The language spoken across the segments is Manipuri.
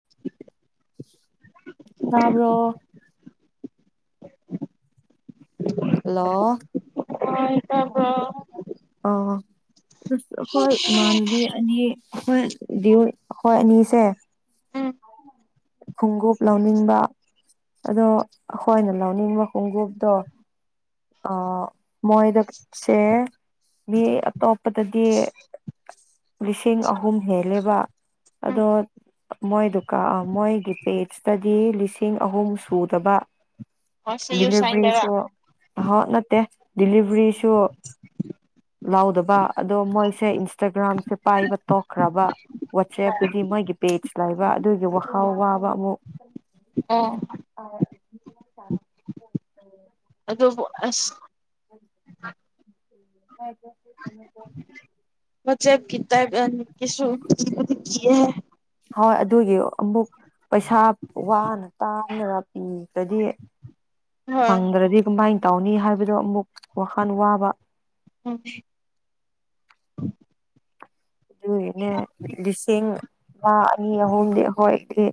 [inaudible] ꯇꯥꯕ꯭ꯔꫭ ꯍꯜꯂꯣ ꯑꫭꯏ ꯇꯥꯕ꯭ꯔꯣ ꯑ ꯍꯣꯏ ꯏꯃꯥꯟꯅꯕꯤ ꯑꯅꯤ ꯍꯣꯏ ꯗꯤꯑꫭꯏ ꯑꯩꯈꫭꯏ ꯑꯅꯤꯁꯦ ꯎꯝ ꯈꯣꯡꯎꯞ ꯂꯧꯅꯤꯡꯕ ꯑꯗꯣ ꯑꯩꯈꯣꯏꯅ ꯂꯧꯅꯤꯡꯕ ꯈꯣꯡꯎꯞꯇꯣ ꯑ ꯃꯣꯏꯗꯁꯦ ꯃꯤ ꯑꯇꯣꯞꯄꯗꯗꯤ ꯂꯤꯁꯤꯡ ꯑꯍꯨꯝ ꯍꯦꯜꯂꯦꯕ ꯎꯝ ꯑꯗꯣ ꯃꯣꯏꯗꯨꯀꯥꯟ ꯑꯥ ꯃꯣꯏꯒꯤ ꯄꯦꯁꯇꯗꯤ ꯂꯤꯁꯤꯡ ꯑꯍꯨꯝ ꯁꯨꯗꯕ ꯍꯣꯏ ꯁꯤ ꯌꯨ ꯁꯥꯏꯟꯗꯔ ꯗꯦꯂꯤꯚꯔꯤꯁꯨ ꯑ ꯅꯠꯇꯦ ꯗꯦꯂꯤꯚꯔꯤꯁꯨ ꯂꯥꯎꯗꯕ ꯑꯗꯣ ꯃꯣꯏꯁꯦ ꯏꯟꯁꯇꯒ꯭ꯔꯥꯝꯁꯦ ꯄꯥꯏꯕ ꯇꯣꯛꯈ꯭ꯔꯕ ꯋꯥꯆꯦꯞꯇꯗꯤ ꯃꯣꯏꯒꯤ ꯄꯦꯖ ꯂꯩꯕ ꯑꯗꯨꯒꯤ ꯋꯥꯈꯜ ꯋꯥꯕ ꯑꯃꯨꯛ ꯑꯣ ꯑꯥꯏꯌꯦ ꯎꯝ꯫ ꯑꯗꯨꯕꯨ ꯑꯁ [unintelligible] [unintelligible] ꯋꯥꯆꯦꯞꯀꯤ [unintelligible] ꯀꯤꯕꯨꯗꯤ ꯀꯤꯌꯦ ꯍꯣꯏ ꯑꯗꯨꯒꯤ ꯑꯃꯨꯛ ꯄꯩꯁꯥ ꯋꯥꯅ ꯇꯥꯅ ꯄꯤꯒꯗꯤ ꯍꯣꯏ ꯐꯪꯗ꯭ꯔꯗꯤ ꯀꯃꯥꯏ ꯇꯧꯅꯤ ꯍꯥꯏꯕꯗꯣ ꯑꯃꯨꯛ ꯋꯥꯈꯜ ꯋꯥꯕ ꯎꯝ꯫ ꯑꯗꯨꯒꯤꯅꯦ ꯂꯤꯁꯤꯡ ꯑꯃꯥ ꯑꯅꯤ ꯑꯍꯨꯝꯗꯤ ꯑꯩꯈꯣꯏꯗꯤ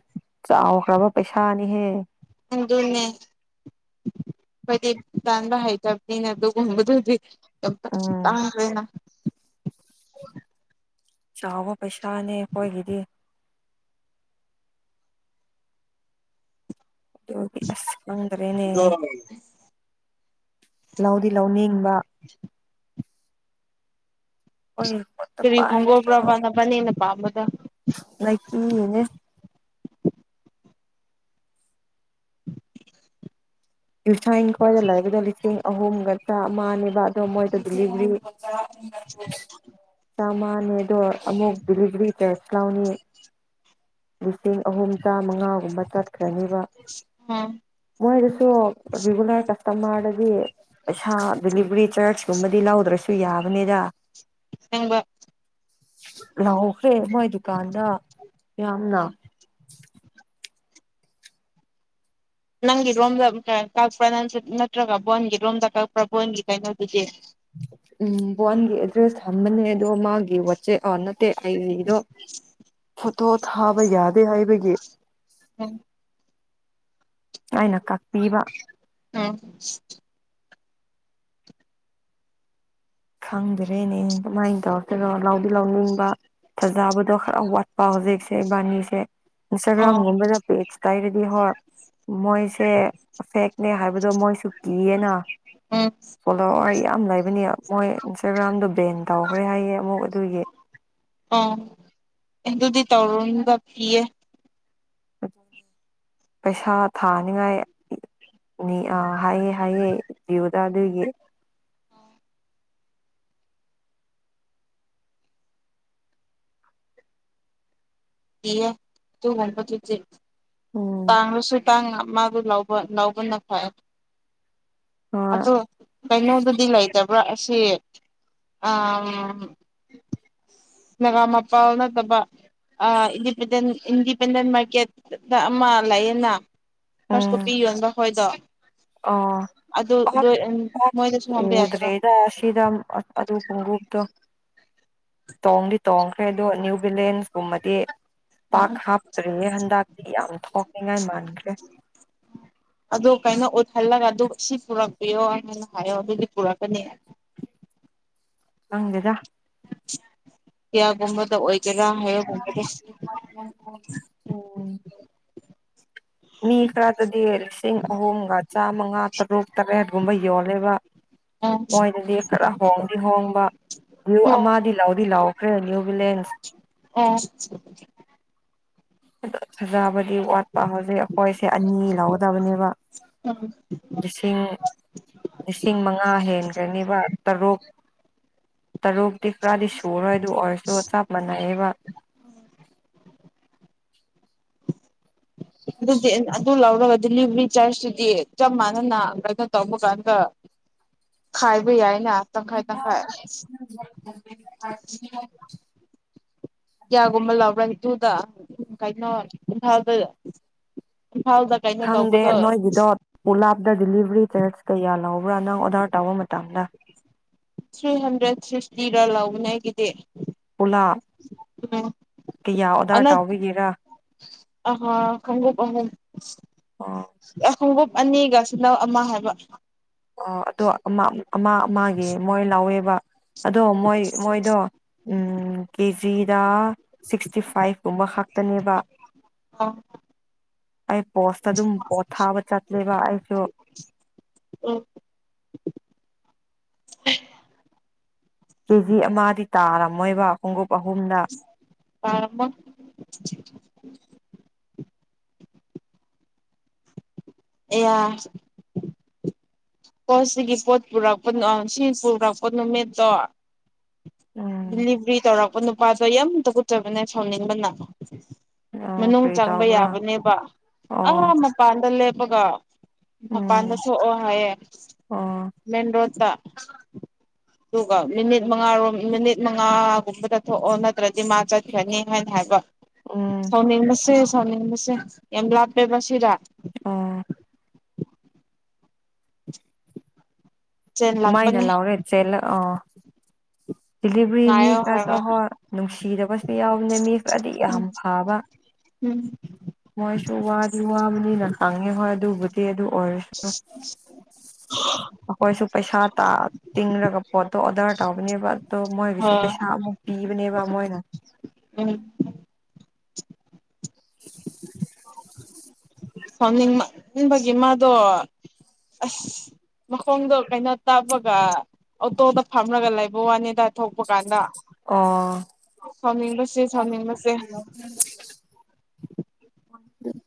ꯆꯥꯎꯈ꯭ꯔꯕ ꯄꯩꯁꯥꯅꯤꯍꯦ ꯈꯪꯗꯦꯅꯦ ꯑꯩꯈꫭꯏꯗꯤ ꯇꯟꯕ ꯍꯩꯇꯕꯅꯤꯅ ꯑꯗꯨꯒꯨꯝꯕꯗꯨꯗꯤ ꯎꯝ [unintelligible] ꯆꯥꯎꯕ ꯄꯩꯁꯥꯅꯦ ꯑꯩꯈꯣꯏꯒꯤꯗꯤ ꯑꯗꯨꯒꯤ ꯑꯁ ꯈꯪꯗꯔꯦꯅꯦ ꯂꯧꯗꯤ ꯂꯧꯅꯤꯡꯕ ꯑꯣꯏꯌꯦ ꯀꫭꯠ [unintelligible] ꯅꯕꯥꯅꯤꯅ ꯄꯥꯝꯕꯗꫭ ꯅꯥꯠꯀꯤꯒꯤꯅꯦ ꯌꯨꯁꯥꯡꯈꯣꯏꯗ ꯂꯩꯕꯗ ꯂꯤꯁꯤꯡ ꯑꯍꯨꯝꯒ ꯆꯥꯝꯃꯅꯦꯕ ꯑꯗꯣ ꯃꯣꯏꯗ ꯗꯦꯂꯤꯚꯔꯤ [inaudible] ꯆꯥꯃꯅꯦ ꯑꯗꯣ ꯑꯃꯨꯛ ꯗꯦꯂꯤꯚꯔꯤ ꯆꯔꯁ ꯂꯥꯎꯅꯤ ꯂꯤꯁꯤꯡ ꯑꯍꯨꯝ ꯇꯔꯥꯃꯉꯥꯒꯨꯝꯕ ꯆꯠꯈ꯭ꯔꯅꯤꯕ ꯎꯝ ꯃꯣꯏꯗꯁꯨ ꯔꯤꯒꯨꯂꯔ ꯀꯁꯇꯃꯔꯗꯗꯤ ꯄꯩꯁꯥ ꯗꯦꯂꯤꯚꯔꯤ ꯆꯥꯔꯖꯀꯨꯝꯕꯗꯤ ꯂꯧꯗ꯭ꯔꯁꯨ ꯌꯥꯕꯅꯤꯗ ꯑꯁꯦꯡꯕ ꯂꯥꯎꯈ꯭ꯔꯦ ꯃꯣꯏ ꯗꯨꯀꯥꯟꯗ ꯌꯥꯝꯅ ꯅꯪꯒꯤ ꯔꯣꯝꯗ ꯀꯛꯄ꯭ꯔꯥ ꯅꯠꯇ꯭ꯔ ꯅꯠꯇ꯭ꯔꯒ ꯕꯣꯟꯒꯤ ꯔꯣꯝꯗ ꯀꯛꯄ꯭ꯔꯥ ꯕꯣꯟꯒꯤ ꯀꯩꯅꯣꯗꯨꯗꯤ [inaudible] ꯎꯝ ꯕꯣꯟꯒꯤ ꯑꯦꯗ꯭ꯔꯦꯁ ꯊꯝꯕꯅꯦ ꯑꯗꯣ ꯃꯥꯒꯤ ꯋꯥꯆꯦꯞ ꯑ ꯅꯠꯇꯦ ꯑꯩꯗꯣ ꯐꯣꯇꯣ ꯊꯥꯕ ꯌꯥꯗꯦ ꯍꯥꯏꯕꯒꯤ ꯎꯝ ꯑꯩꯅ ꯀꯛꯄꯤꯕ [unintelligible] ꯈꯪꯗ꯭ꯔꯦꯅꯦ ꯀꯃꯥꯏꯟ ꯇꯧꯔꯛꯇꯣꯏꯔꯣ ꯂꯧꯗꯤ ꯂꯧꯅꯤꯡꯕ ꯊꯥꯖꯕꯗꯣ ꯈꯔ ꯋꯥꯠꯄ ꯍꯧꯖꯤꯛꯁꯦ ꯏꯕꯥꯅꯤꯁꯦ ꯑꯣ ꯏꯟꯁꯇꯥꯒ꯭ꯔꯥꯝꯒꯨꯝꯕꯗ ꯄꯦꯖ ꯇꯥꯏꯔꯗꯤ ꯍꯣꯏ ꯃꯣꯏꯁꯦ ꯐꯦꯛꯅꯦ ꯍꯥꯏꯕꯗꯣ ꯃꯣꯏꯁꯨ ꯀꯤꯌꯦꯅ ꯎꯝ ꯐꯣꯂꯣꯋꯔ ꯌꯥꯝ ꯂꯩꯕꯅꯤ ꯃꯣꯏ ꯏꯟꯁꯇꯥꯒ꯭ꯔꯥꯝꯗꯣ ꯕꯦꯟ ꯇꯧꯈ꯭ꯔꯦ ꯍꯥꯏꯌꯦ ꯑꯃꯨꯛ ꯑꯗꯨꯒꯤ ꯑꯣ ꯑꯗꯨꯗꯤ ꯇꯧꯔꯨꯅꯨꯗ ꯀꯤꯌꯦ [inaudible] ꯄꯩꯁꯥ ꯊꯥꯅꯤꯉꯥꯏ ꯅꯤ ꯑ ꯍꯥꯏꯌꯦ ꯍꯥꯏꯌꯦ [unintelligible] ꯑꯗꯨꯒꯤ ꯀꯤꯌꯦ ꯑꯗꯨꯒꯨꯝꯕꯗꯨꯗꯤ ꯎꯝ ꯇꯥꯡꯂꯨꯁꯨ ꯇꯥꯡꯅ ꯑꯃꯛ ꯂꯧꯕ ꯅꯥꯎꯕꯅ ꯐꯩ ꯍꯣꯏ ꯑꯗꯣ ꯀꯩꯅꯣꯗꯗꯤ ꯂꯩꯇꯕ꯭ꯔꯥ ꯑꯁꯤ ꯑ ꯅꯒꯥꯃꯄꯥꯜ ꯅꯠꯇꯕ ꯑ ꯏꯟꯗꯤꯄꯦꯟꯗꯦꯟ ꯏꯟꯗꯤꯄꯦꯟꯗꯦꯟ ꯃꯥꯔꯀꯦꯠꯇ ꯑꯃ ꯂꯩꯌꯦꯅ ꯐꯔꯁ ꯀꯣꯄꯤ ꯌꯣꯟꯕ ꯈꯣꯏꯗꯣ ꯑ [unintelligible] ꯃꯣꯏꯗꯁꯨ ꯍꯪꯕ ꯌꯥꯗ꯭ꯔꯣ ꯎꯗ꯭ꯔꯦꯗ ꯑꯁꯤꯗ ꯑꯗꯨ ꯈꯣꯡꯎꯞꯇꯣ ꯇꯣꯡꯗꯤ ꯇꯣꯡꯈ꯭ꯔꯦ ꯑꯗꯣ ꯅ꯭ꯌꯨ ꯚꯤꯂꯦꯟꯁꯀꯨꯝꯕꯗꯤ ꯄꯥꯛ ꯍꯥꯞꯇ꯭ꯔꯤꯉꯩ ꯍꯟꯗꯛꯇꯤ ꯌꯥꯝ ꯊꯣꯛꯅꯤꯡꯉꯥꯏ ꯃꯥꯟꯈ꯭ꯔꯦ [unintelligible] ꯑꯗꯨ ꯀꯩꯅꯣ ꯑꯣꯏꯍꯜꯂꯒ ꯑꯗꯨ ꯁꯤ ꯄꯨꯔꯛꯄꯤꯌꯣ ꯍꯥꯏꯅ ꯍꯥꯏꯌꯣ ꯑꯗꯨꯗꯤ ꯄꯨꯔꯛꯀꯅꯤ ꯈꯪꯗꯦꯗ ꯀꯌꯥꯒꯨꯝꯕꯗ ꯑꯣꯏꯒꯦꯔꯥ ꯍꯥꯏꯌꯒꯨꯝꯕꯗ ꯎꯝ ꯃꯤ ꯈꯔꯗꯗꯤ ꯂꯤꯁꯤꯡ ꯑꯍꯨꯝꯒ ꯆꯥꯝꯃꯉꯥ ꯇꯔꯨꯛ ꯇꯔꯦꯠꯒꯨꯝꯕ ꯌꯣꯜꯂꯦꯕ ꯑꯣ ꯃꯣꯏꯗꯗꯤ ꯈꯔ ꯍꯣꯡꯗꯤ ꯍꯣꯡꯕ ꯚ꯭ꯌꯨ ꯑꯣ ꯑꯃꯗꯤ ꯂꯧꯗꯤ ꯂꯧ [unintelligible] ꯅ꯭ꯌꯨꯕꯤꯂꯦꯟꯁ ꯑꯣ ꯐꯖꯕꯗꯤ ꯋꯥꯠꯄ ꯍꯧꯖꯤꯛ ꯑꯩꯈꯣꯏꯁꯦ ꯑꯅꯤ ꯂꯧꯒꯗꯕꯅꯦꯕ ꯎꯝ ꯂꯤꯁꯤꯡ ꯂꯤꯁꯤꯡ ꯃꯉꯥ ꯍꯦꯟꯒꯅꯤꯕ ꯇꯔꯨꯛ ꯇꯔꯨꯛꯇꯤ ꯄꯨꯔꯥꯗꯤ ꯁꯨꯔꯣꯏ ꯑꯗꯨ ꯑꯣꯏꯔꯁꯨ ꯆꯞ ꯃꯥꯟꯅꯩꯑꯕ ꯑꯗꯨꯗꯤ ꯑꯗꯨ ꯂꯧꯔꯒ ꯗꯤꯂꯤꯚꯔꯤ ꯆꯥꯔꯖꯇꯨꯗꯤ ꯆꯞ ꯃꯥꯟꯅꯅ ꯀꯩꯅꯣ ꯇꯧꯕ ꯀꯥꯟꯗ ꯈꯥꯏꯕ ꯌꯥꯏꯅ ꯇꯪꯈꯥꯏ ꯇꯪꯈꯥꯏ [unintelligible] ꯀꯌꯥꯒꯨꯝꯕ ꯂꯧꯕ꯭ꯔꯥ ꯑꯗꯨꯗ ꯀꯩꯅꯣ ꯏꯝꯐꯥꯜꯗ ꯏꯝꯐꯥꯜꯗ ꯀꯩꯅꯣ ꯈꯪꯗꯦ ꯇꯧꯕꯗꯣ ꯅꯣꯏꯒꯤꯗꯣ ꯄꯨꯂꯥꯞꯇ ꯗꯤꯂꯤꯚꯔꯤ ꯆꯥꯔꯖ ꯀꯌꯥ ꯂꯧꯕ꯭ꯔꯥ ꯅꯪ ꯑꯣꯗꯔ ꯇꯧꯕ ꯃꯇꯝꯗ ꯊ꯭ꯔꯤ ꯍꯟꯗ꯭ꯔꯦꯠ ꯁꯤꯛꯁꯇꯤꯔ ꯂꯧꯕꯅꯦ ꯑꯩꯒꯤꯗꯤ ꯄꯨꯂꯥꯞ ꯎꯝ ꯀꯌꯥ ꯑꯣꯗꯔ ꯑꯅ ꯇꯧꯕꯤꯒꯤꯔꯥ ꯑ ꯈꯪ [unintelligible] ꯑꯣ ꯑꯦ ꯈꯣꯡꯎꯞ ꯑꯅꯤꯒ ꯁꯤꯅꯧ ꯑꯃ ꯍꯥꯏꯕ ꯑꯣ ꯑꯗꯣ ꯑꯃ ꯑꯃ ꯑꯃꯒꯤ ꯃꯣꯏ ꯂꯧꯋꯦꯕ ꯑꯗꯣ ꯃꯣꯏ ꯃꯣꯏꯗꯣ ꯎꯝ ꯀꯦꯖꯤꯗ ꯁꯤꯛꯁꯇꯤ ꯐꯥꯏꯚ ꯀꯨꯝꯕ ꯍꯛ ꯇꯅꯦꯕ ꯑ ꯑꯩ ꯄꯣꯁꯇ ꯑꯗꯨꯝ ꯄꯣꯠ ꯊꯥꯕ ꯆꯠꯂꯦꯕ ꯑꯩꯁꯨ ꯎꯝ [unintelligible] ꯀꯦ ꯖꯤ ꯑꯃꯗꯤ ꯇꯥꯔꯝꯃꯣꯏꯕ ꯈꯣꯡꯎꯞ ꯑꯍꯨꯝꯅ ꯇꯥꯔꯝꯃꯣꯏ [unintelligible] ꯑꯦꯌꯥ ꯀꯣ ꯁꯤꯒꯤ ꯄꯣꯠ ꯄꯨꯔꯛꯄ ꯅ ꯁꯤ ꯄꯨꯔꯛꯄ ꯅꯨꯃꯤꯠꯇꯣ ꯎꯝ ꯗꯤꯂꯤꯚꯔꯤ ꯇꯧꯔꯛꯄ ꯅꯨꯄꯥꯗꯣ ꯌꯥꯝ ꯇꯨꯀꯠꯆꯕꯅꯦ ꯁꯥꯎꯅꯤꯡꯕꯅ ꯑꯣ ꯃꯅꯨꯡ ꯀꯔꯤ ꯆꯪꯕ ꯇꯧꯕ꯭ꯔꯥ ꯌꯥꯕꯅꯦꯕ ꯑꯥ ꯑꯣ ꯃꯄꯥꯟꯗ ꯂꯦꯞꯄꯒ ꯃꯄꯥꯟꯗ ꯎꯝ ꯊꯣꯛꯑꯣ ꯍꯥꯏꯌꯦ ꯑꯣ ꯃꯦꯟ ꯔꯣꯗ ꯔꯣꯠꯇ ꯑꯗꯨꯒ ꯃꯤꯅꯤꯠ ꯃꯉꯥꯔꯣꯝ ꯃꯤꯅꯤꯠ ꯃꯉꯥꯒꯨꯝꯕꯗ ꯊꯣꯛꯑꯣ ꯅꯠꯇ꯭ꯔꯗꯤ ꯃꯥ ꯆꯠꯈ꯭ꯔꯅꯤ ꯍꯥꯏꯅ ꯍꯥꯏꯕ ꯎꯝ ꯁꯥꯎꯅꯤꯡꯕꯁꯦ ꯁꯥꯎꯅꯤꯡꯕꯁꯦ ꯌꯥꯝ ꯂꯥꯞꯄꯦꯕ ꯁꯤꯗ ꯑꫭ [inaudible] ꯀꯃꯥꯏꯅ ꯂꯥꯛꯄꯅꯦ ꯂꯥꯎꯔꯦ ꯆꯦꯜꯂꯛꯑꯣ ꯗꯤꯂꯤꯚꯔꯤ ꯃꯤ ꯉꯥꯏꯌꯣ ꯈꯔꯁꯨ ꯍꯥꯏꯕ ꯍꯣꯏ ꯅꯨꯡꯁꯤꯗꯕꯁꯨ ꯌꯥꯎꯕꯅꯦ ꯃꯤ ꯈꯔꯗꯤ ꯎꯝ ꯌꯥꯝ ꯐꯕ ꯎꯝ ꯃꯣꯏꯁꯨ ꯋꯥꯗꯤ ꯋꯥꯕꯅꯤꯅ ꯈꯪꯉꯦ ꯍꯣꯏ ꯑꯗꯨꯕꯨꯗꯤ ꯑꯗꯨ ꯑꯣꯏꯁꯅꯨ ꯑꯈꯣꯏꯁꯨ ꯄꯩꯁꯥ ꯇꯥ ꯇꯤꯡꯔꯒ ꯄꯣꯠꯇꯣ ꯑꯣꯗꯔ ꯇꯧꯕꯅꯦꯕ ꯑꯗꯣ ꯃꯣꯏꯒꯤꯁꯨ ꯍꯣꯏ ꯄꯩꯁꯥ ꯑꯃꯨꯛ ꯄꯤꯕꯅꯦꯕ ꯃꯣꯏꯅ [unintelligible] ꯐꯝꯅꯤꯡꯃꯟꯕꯒꯤ ꯃꯥꯗꯣ ꯑꯁ ꯃꯈꯣꯡꯗꯣ ꯀꯩꯅꯣ ꯇꯥꯕꯒ ꯑꯣꯇꯣꯗ ꯐꯝꯔꯒ ꯂꯩꯕꯨꯋꯥꯅꯤꯗ ꯊꯣꯛꯄ ꯀꯥꯟꯗ ꯑꯣ ꯁꯥꯎꯅꯤꯡꯕꯁꯤ ꯁꯥꯎꯅꯤꯡꯕꯁꯦ [unintelligible]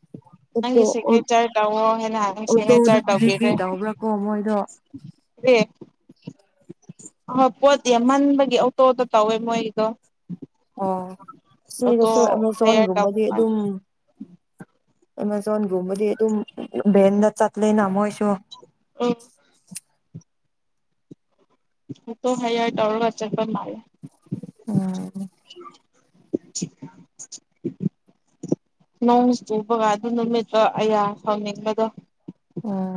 ꯑꯣꯇꯣ ꯅꯪꯒꯤ ꯑꯣ ꯁꯤꯒꯅꯦꯆꯔ ꯇꯧꯋꯣ ꯍꯥꯏꯅ ꯅꯪ ꯑꯣꯇꯣꯗ ꯁꯤꯒꯅꯦꯆꯔ ꯗꯤꯂꯤꯚ꯭ꯔꯤ ꯇꯧꯕ꯭ꯔ ꯕꯣ ꯃꯣꯏꯗꯣ ꯑꯦ ꯍꯣꯏ ꯄꯣꯠ ꯌꯥꯝꯃꯟꯕꯒꯤ ꯑꯣꯇꯣꯗ ꯇꯧꯋꯦ ꯃꯣꯏꯒꯤꯗꯣ ꯑꯣ ꯑꯣꯇꯣ ꯁꯤꯗꯁꯨ ꯍꯩꯌꯥꯔ ꯇꯧ ꯑꯦꯃꯥꯖꯣꯟꯒꯨꯝꯕꯗꯤ [unintelligible] ꯑꯦꯃꯖꯣꯟ ꯃꯗꯤ ꯕꯦꯟꯗ ꯆꯠꯂ ꯅꯃꯣꯏꯁꯨ [unintelligible] ꯑꫭꯇꫭ ꯍꯥꯏꯔ ꯇꯔ ꯑꯆꯔꯄ ꯃꯥꯔꯦ ꯎꯝ [unintelligible] ꯅꯣꯡ ꯇꯨꯕꯒ ꯑꯗꯨ ꯅꯨꯃꯤꯠ ꯑꯌꯥ ꯐꯪꯅꯤꯡꯕꯗꯣ ꯎꯝ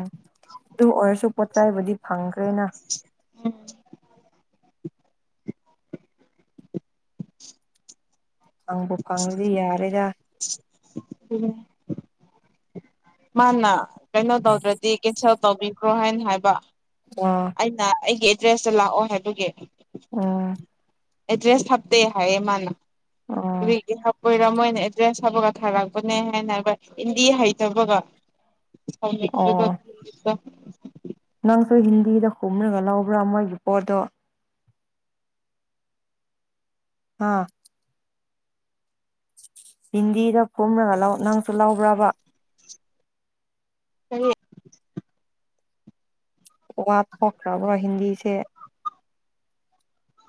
ꯑꯗꯨ ꯑꯣꯏꯔꯁꯨ ꯄꯣꯠ ꯆꯩꯥꯏꯕꯨꯗꯤ ꯐꯪꯈ꯭ꯔꯦꯅ [unintelligible] ꯐꯪꯕꯨ ꯐꯔꯗꯤ ꯌꯥꯔꯦꯗ [unintelligible] ꯃꯥꯅ ꯀꯩꯅꯣ ꯇꯧꯗ꯭ꯔꯗꯤ ꯀꯦꯟꯁꯦꯜ ꯇꯧꯕꯤꯈ꯭ꯔꯣ ꯍꯥꯏꯅ ꯍꯥꯏꯕ ꯑ ꯑꯩꯅ ꯑꯩꯒꯤ ꯑꯦꯗ꯭ꯔꯦꯁꯇ ꯂꯥꯛꯑꯣ ꯍꯥꯏꯕꯒꯤ ꯎꯝ ꯑꯦꯗ꯭ꯔꯦꯁ ꯍꯥꯞꯇꯦ ꯍꯥꯏꯌꯦ ꯃꯥꯅ ꯑꯣ ꯀꯔꯤꯒꯤ ꯍꯥꯞꯄꯣꯏꯔꯥ ꯃꯣꯏꯅ ꯗ꯭ꯔꯦꯁ ꯍꯥꯞꯄꯒ ꯊꯥꯔꯛꯄꯅꯦ ꯍꯥꯏꯅ ꯍꯥꯏꯕ ꯍꯤꯟꯗꯤ ꯍꯩꯇꯕꯒ ꯍꯧꯖꯤꯛ ꯑꯣ [unintelligible] ꯅꯪꯁꯨ ꯍꯤꯟꯗꯤꯗ ꯈꯨꯝꯔꯒ ꯂꯧꯕ꯭ꯔꯥ ꯃꯣꯏꯒꯤ ꯄꯣꯠꯇꯣ ꯍꯥꯥ ꯍꯤꯟꯗꯤꯗ ꯐꯨꯝꯔꯒ ꯂꯧ ꯅꯪꯁꯨ ꯂꯧꯕ꯭ꯔꯕ [inaudible] ꯋꯥꯠ ꯊꯣꯛꯈ꯭ꯔꯕ꯭ꯔ ꯍꯤꯟꯗꯤꯁꯦ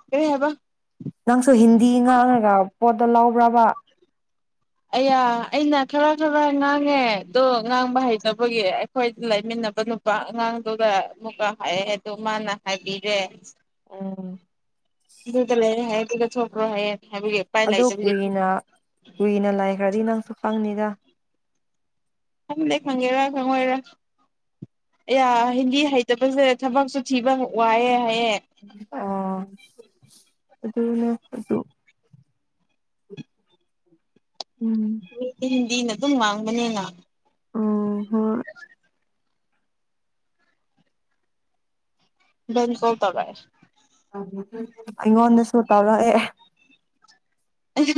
ꯀꯔꯤ ꯍꯥꯏꯕ ꯅꯪꯁꯨ ꯍꯤꯟꯗꯤ ꯉꯥꯡꯉꯒ ꯄꯣꯠꯇꯣ ꯂꯧꯕ꯭ꯔꯕ ꯑꯌꯥ ꯑꯩꯅ ꯈꯔ ꯈꯔ ꯉꯥꯡꯉꯦ ꯗꯣ ꯉꯥꯡꯕ ꯍꯩꯇꯕꯒꯤ ꯑꯩꯈꯣꯏꯗ ꯂꯩꯃꯤꯟꯅꯕ ꯅꯨꯄꯥ ꯑꯉꯥꯡꯗꯨꯒ ꯑꯃꯨꯛꯀ ꯍꯥꯏꯑꯦ ꯗꯨ ꯃꯥꯅ ꯍꯥꯏꯕꯤꯔꯦ ꯎꯝ [inaudible] ꯂꯩꯔꯦ ꯍꯥꯏ ꯗꯨꯒ ꯊꯣꯛꯈ꯭ꯔꯣ ꯍꯥꯏꯌꯦ ꯍꯥꯏꯕꯤꯒꯦ ꯑꯗꯣ ꯀꯨꯏꯅ ꯀꯨꯏꯅ ꯂꯩꯈ꯭ꯔꯗꯤ ꯅꯪꯁꯨ ꯄꯪꯅꯤꯗ ꯈꯪꯗꯦ ꯈꯪꯉꯦꯔꯥ ꯈꯪꯉꯣꯏꯔ ꯑꯌꯥ ꯍꯤꯟꯗꯤ ꯍꯩꯇꯕꯁꯦ ꯊꯕꯛꯁꯨ ꯊꯤꯕ ꯋꯥꯏꯑꯦ ꯍꯥꯏꯌꯦ ꯑꫭ ꯑꯗꯨꯅꯦ ꯎꯝ ꯍꯤꯟꯗꯤꯅ ꯑꯗꯨꯝ ꯉꯥꯡꯕꯅꯤꯅ ꯑꯣ ꯍꯣꯏ [unintelligible] ꯑꯩꯉꯣꯟꯗ ꯁꯨ ꯇꯧꯔꯛꯑꯦ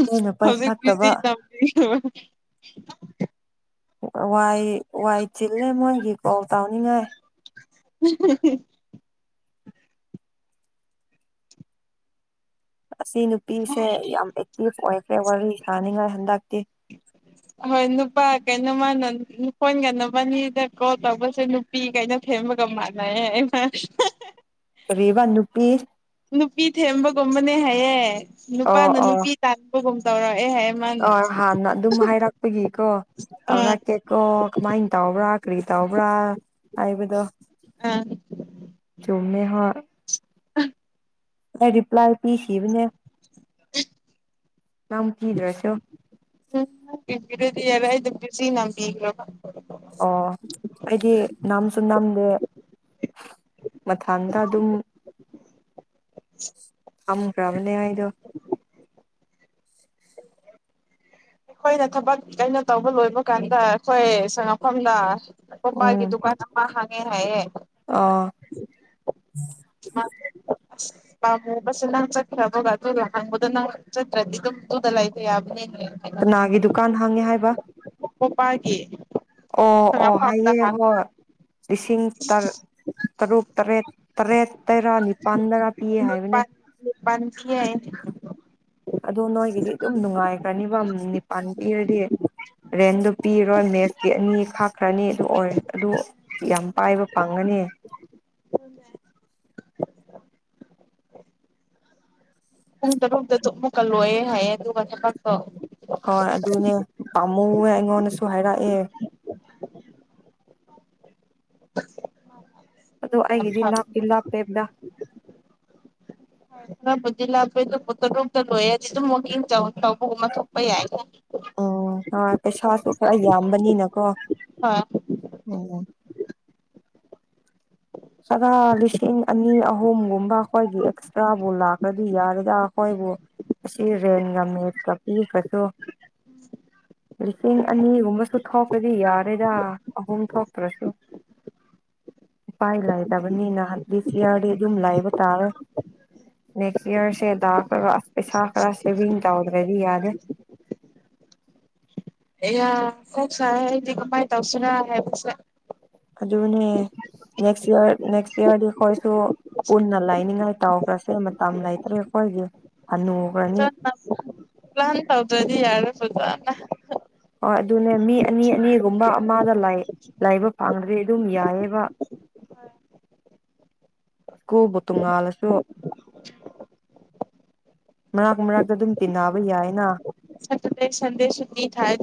ꯑꯩꯅ ꯍꯧꯖꯤꯛ ꯄꯥꯏꯈꯠꯇꯕ ꯕꯤꯖꯤ ꯅꯝ ꯋꯥꯏ ꯋꯥꯏ ꯆꯤꯜꯂꯦ ꯃꯣꯏꯒꯤ ꯀꯣꯜ ꯇꯧꯅꯤꯡꯉꯥꯏ [unintelligible] ꯑꯁꯤ ꯅꯨꯄꯤꯁꯦ ꯌꯥꯝ ꯑꯦꯛꯇꯤꯚ ꯑꯣꯏꯈ꯭ꯔꯦ ꯋꯥꯔꯤ ꯁꯥꯅꯤꯡꯉꯥꯏ ꯍꯟꯗꯛꯇꯤ ꯍꯣꯏ ꯅꯨꯄꯥ ꯀꯩꯅꯣꯃꯅ ꯀꯣꯟꯒꯅꯕꯅꯤꯗ ꯀꯣꯜ ꯇꯧꯕꯁꯦ ꯅꯨꯄꯤ ꯀꯩꯅ ꯊꯦꯝꯕꯒ ꯃꯥꯟꯅꯩ ꯍꯥꯌꯦ ꯃꯥꯅ ꯀꯔꯤꯕꯥ ꯅꯨꯄꯤ ꯅꯨꯄꯤ ꯊꯦꯝꯕꯒꯨꯝꯕꯅꯦ ꯍꯥꯏꯌꯦ ꯑꯣ ꯅꯨꯄꯥꯅ ꯅꯨꯄꯤ ꯇꯥꯟ ꯅꯕꯒꯨꯝ ꯇꯧꯔꯛꯑꯦ ꯍꯥꯏꯌꯦ ꯃꯥꯅ ꯑ ꯍꯥꯟꯅ ꯑꯗꯨꯝ ꯍꯥꯏꯔꯛꯄꯒꯤꯀꯣ ꯑꯥ ꯇꯧꯔꯛꯀꯦ ꯀꯣ ꯀꯃꯥꯏꯟ ꯇꯧꯕ꯭ꯔꯥ ꯀ꯭ꯔꯤ ꯇꯧꯕ꯭ꯔꯥ ꯍꯥꯏꯕꯗꯣ [inaudible] ꯆꯨꯝꯃꯦ ꯍꯥ ꯑꯩ ꯔꯤꯄ꯭ꯂꯥꯏ ꯄꯤꯈꯤ ꯕꯅꯦ [inaudible] ꯅꯪ ꯄꯤꯗ꯭ꯔꯁꯨ ꯎꯝ ꯄꯕꯤꯔꯗꯤ ꯌꯥꯏꯔꯦ ꯑꯩ ꯑꯗꯨꯝ ꯕꯤꯖꯤ ꯅꯝꯕꯤꯈ꯭ꯔꯕ ꯑꯣ ꯑꯩꯗꯤ ꯅꯝꯁꯨ ꯅꯥꯝꯗꯦ ꯃꯊꯥꯡꯗ ꯑꯗꯨꯝ ꯑꯝꯒ꯭ꯔꯕꯅꯦ ꯑꯩꯗꯣ ꯑꯩꯈꯣꯏꯅ ꯊꯕꯛ ꯑꯩꯅ ꯇꯧꯕ ꯂꯣꯏꯕ ꯀꯥꯟꯗ ꯑꯩꯈꯣꯏ ꯁꯪꯉꯛꯐꯝꯗ ꯄꯣꯄꯥꯢꯒꯤ ꯗꯨꯀꯥꯟ ꯃꯥ ꯍꯥꯡꯉꯦ ꯍꯥꯏꯌꯦ ꯑꯣ [unintelligible] [unintelligible] ꯑꯗꯨꯅ ꯍꯪꯕꯗꯣ ꯅꯪ ꯆꯠꯇ꯭ꯔꯗꯤ ꯗꯨꯝ ꯗꯨꯗ ꯂꯩꯕ ꯌꯥꯕꯅꯤꯅꯦ ꯀꯅꯥꯒꯤ ꯗꯨꯀꯥꯟ ꯍꯥꯡꯉꯦ ꯍꯥꯏꯕ ꯄꯣꯄꯥꯒꯤ ꯑꯣ ꯑꯣ ꯁꯉꯥꯐꯝꯗ ꯍꯥꯏꯌꯦ ꯍꯣꯏ ꯍꯥꯡꯉꯦ ꯂꯤꯁꯤꯡ ꯇꯔ ꯇꯔꯨꯛ ꯇꯔꯦꯠ ꯇꯔꯦꯠ ꯇꯔꯥ ꯅꯤꯄꯥꯟꯗꯒ ꯄꯤꯌꯦ ꯄꯨꯡ ꯍꯥꯏꯕꯅꯦ ꯅꯤꯄꯥꯟ ꯅꯤꯄꯥꯟ ꯄꯤꯌꯦ ꯍꯥꯢꯌꯦ ꯑꯗꯣ ꯅꯣꯏꯒꯤꯗꯤ ꯑꯗꯨꯝ ꯅꯨꯡꯉꯥꯏꯒ꯭ꯔꯅꯤꯕ ꯅꯤꯄꯟ ꯄꯤꯔꯗꯤ ꯔꯦꯟꯗꯨ ꯄꯤꯔꯣꯏ ꯃꯦꯁꯀꯤ ꯑꯅꯤ ꯈꯥꯛꯈ꯭ꯔꯅꯤ ꯑꯗꯨ ꯑꯣꯏꯔ ꯑꯗꯨ ꯌꯥꯝ ꯄꯥꯏꯕ ꯄꯪꯒꯅꯤ ꯄꯨꯡ ꯇꯔꯨꯛꯇꯥꯖꯨ ꯑꯃꯨꯛꯀꯥ ꯂꯣꯏꯌꯦ ꯍꯥꯏꯌꯦ ꯑꯗꯨꯒ ꯊꯕꯛꯇꯣ ꯍꯣꯏ ꯑꯗꯨꯅꯦ ꯄꯥꯝꯃꯨꯋꯦ ꯑꯩꯉꯣꯟꯗꯁꯨ ꯍꯥꯏꯔꯛꯑꯦ [unintelligible] ꯑꯣ ꯌꯥꯝ ꯑꯩꯒꯤꯗꯤ ꯂꯥꯛꯞꯄꯤ ꯂꯞꯄꯦꯕꯗ ꯅꯪꯕꯨꯗꯤ ꯂꯥꯛꯄꯦ ꯑꯗꯨꯕꯨ ꯇꯥꯔꯨꯛꯇꯥ ꯂꯣꯏꯔꯗꯤ ꯑꯗꯨꯝ ꯋꯥꯀꯤꯡ ꯇꯧꯕꯒꯨꯝꯕ ꯊꯣꯛꯄ ꯌꯥꯏ ꯎꯝ ꯍꯣꯏ ꯄꯩꯁꯥꯁꯨ ꯈꯔ ꯌꯥꯝꯕꯅꯤꯅꯀꯣ ꯍꯣꯏ [unintelligible] ꯈꯔ ꯂꯤꯁꯤꯡ ꯑꯅꯤ ꯑꯍꯨꯝꯒꯨꯝꯕ ꯑꯩꯈꯣꯏꯒꯤ ꯑꯦꯛꯁꯇ꯭ꯔꯥꯕꯨ ꯂꯥꯛꯈ꯭ꯔꯗꯤ ꯌꯥꯔꯦꯗ ꯑꯩꯈꯣꯏꯕꯨ ꯑꯁꯤ ꯔꯦꯟꯒ ꯃꯦꯠꯀꯥ ꯄꯤꯈꯁꯨ ꯂꯤꯁꯤꯡ ꯑꯅꯤꯒꯨꯝꯕꯁꯨ ꯊꯣꯛꯄꯗꯤ ꯌꯥꯔꯦꯗ ꯑꯍꯨꯝ ꯊꯣꯛꯇ꯭ꯔꯥꯁꯨ ꯄꯥꯏ ꯂꯩꯗꯕꯅꯤꯅ ꯗꯤꯁ ꯌꯥꯔꯗꯤ ꯑꯗꯨꯝ ꯂꯥꯏꯕ ꯇꯥꯔꯦ ꯅꯦꯛꯁ ꯌꯔꯁꯦ ꯗꯒ ꯑꯁ ꯄꯩꯁꯥ ꯈꯔ ꯁꯦꯚꯤꯡ ꯇꯧꯗ꯭ꯔꯗꯤ ꯌꯥꯗꯦ ꯑꯌꯥ ꯀꯣꯛ ꯁꯥꯌꯦ ꯑꯩꯗꯤ ꯀꯃꯥꯏ ꯇꯧꯁꯤꯔꯥ ꯍꯥꯏꯕꯁꯦ ꯑꯗꯨꯅꯦ ꯅꯦꯛꯁ ꯏꯌꯥꯔ ꯅꯦꯛꯁ ꯏꯌꯥꯔꯗꯤ ꯑꯩꯈꯣꯏꯁꯨ ꯄꯨꯟꯅ ꯂꯥꯏꯅꯤꯡꯉꯥꯏ ꯇꯥꯎꯈ꯭ꯔꯁꯦ ꯃꯇꯝ ꯂꯩꯇ꯭ꯔꯦ ꯑꯩꯈꯣꯏꯒꯤ ꯍꯅꯨ ꯄ꯭ꯂꯥꯟ ꯇꯧꯗꯥꯗꯤ ꯌꯥꯔꯔꯣꯏ ꯐꯖꯥꯅ ꯍꯣꯏ ꯑꯗꯨꯅꯦ ꯃꯤ ꯑꯅꯤ ꯑꯅꯤꯒꯨꯝꯕ ꯑꯃꯗ ꯂꯥꯏꯕ ꯐꯪꯗ꯭ꯔꯗꯤ ꯑꯗꯨꯝ ꯌꯥꯏꯌꯦꯕ ꯀꯨꯕ ꯇꯣꯡꯉꯥꯜꯂꯁꯨ ꯃꯔꯥꯛ ꯃꯔꯛꯇ ꯑꯗꯨꯝ ꯇꯤꯟꯅꯕ ꯌꯥꯏꯅ ꯁꯟꯗꯦ ꯁꯟꯗꯦ ꯁꯨꯇꯤ ꯊꯥꯏ